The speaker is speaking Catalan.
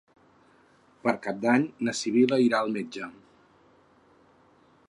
Per Cap d'Any na Sibil·la irà al metge.